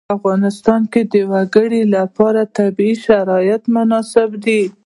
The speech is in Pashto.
په افغانستان کې د وګړي لپاره طبیعي شرایط مناسب دي.